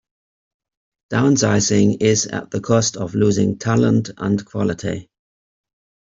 Downsizing is at the cost of losing talent and quality.